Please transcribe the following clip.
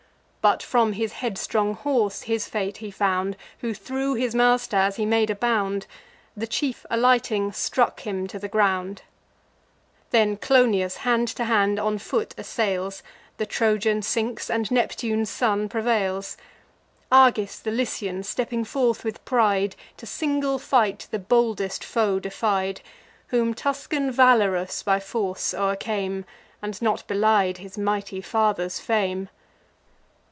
But from his headstrong horse his fate he found, Who threw his master, as he made a bound: The chief, alighting, stuck him to the ground; Then Clonius, hand to hand, on foot assails: The Trojan sinks, and Neptune's son prevails. Agis the Lycian, stepping forth with pride, To single fight the boldest foe defied; Whom Tuscan Valerus by force o'ercame, And not belied his mighty father's fame.